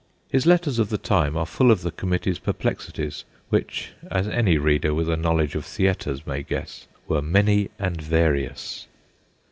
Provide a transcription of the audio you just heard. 1 His letters of the time are full THE COMMITTEE 99 of the Committee's perplexities, which, as any reader with a knowledge of theatres may guess, were many and various.